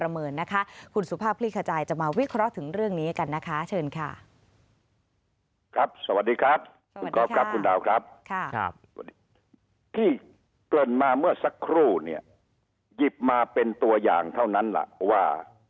เมื่อสักครู่เนี่ยหยิบมาเป็นตัวอย่างเท่านั้นแหละว่า